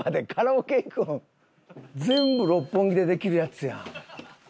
全部六本木でできるやつやん。